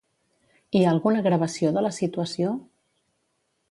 Hi ha alguna gravació de la situació?